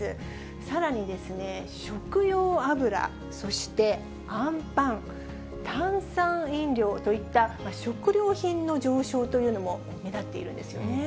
さらにですね、食用油、そしてあんパン、炭酸飲料といった食料品の上昇というのも目立っているんですよね。